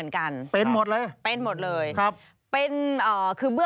ควรด้วยเล็บ